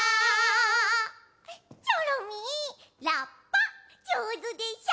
チョロミーラッパじょうずでしょ！